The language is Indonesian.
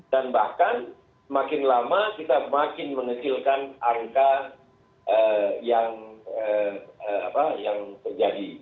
dan bahkan semakin lama kita makin menekilkan angka yang terjadi